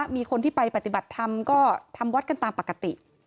มีคนที่ไปปฏิบัติธรรมก็ทำวัดกันตามปกติ